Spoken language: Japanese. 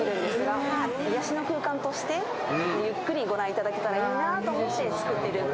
癒やしの空間として、ゆっくりご覧いただけたらなと思って。